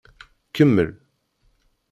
Kemmel!